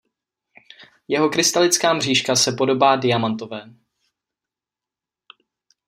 Jeho krystalická mřížka se podobá diamantové.